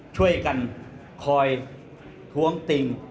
ช่วยกันคอยท้วงติง